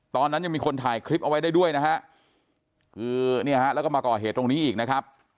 ตอนนั้นยังมีคนถ่ายคลิปเอาไว้ได้ด้วยนะฮะคือเนี่ยฮะแล้วก็มาก่อเหตุตรงนี้อีกนะครับ